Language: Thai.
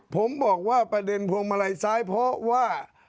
ผมบอกว่าประเด็นพวงมาลัยซ้ายเพราะว่า